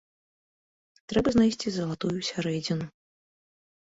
Трэба знайсці залатую сярэдзіну.